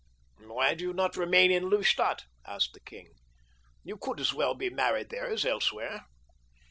"Why do you not remain in Lustadt?" asked the king. "You could as well be married there as elsewhere."